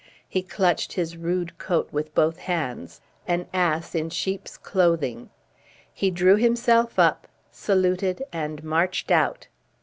He clutched his rude coat with both hands. "An ass in sheep's clothing." He drew himself up, saluted, and marched out.